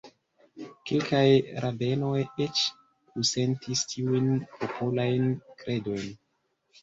Kelkaj rabenoj eĉ kusentis tiujn popolajn kredojn.